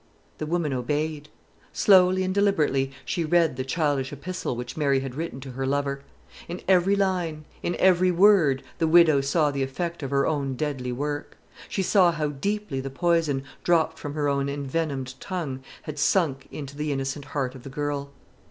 The woman obeyed. Slowly and deliberately she read the childish epistle which Mary had written to her lover. In every line, in every word, the widow saw the effect of her own deadly work; she saw how deeply the poison, dropped from her own envenomed tongue, had sunk into the innocent heart of the girl.